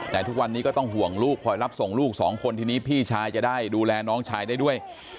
แต่ทุกวันนี้ก็ต้องห่วงลูกคอยรับส่งลูกสองคนทีนี้พี่ชายจะได้ดูแลน้องชายได้ด้วย